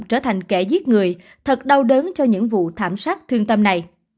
trở thành kẻ giết người thật đau đớn cho những vụ thảm sát thương tâm này